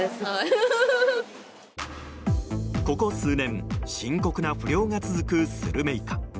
ここ数年、深刻な不漁が続くスルメイカ。